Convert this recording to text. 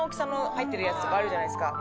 入ってるやつとかあるじゃないですか。